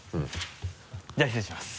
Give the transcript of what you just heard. じゃあ失礼します。